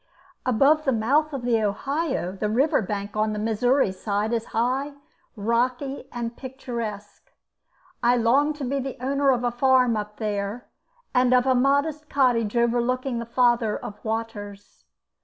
Above the mouth of the Ohio the river bank on the Missouri side is high, rocky, and picturesque. I longed to be the owner of a farm up there, and of a modest cottage overlooking the Father of Waters.